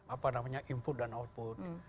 apa namanya input dan output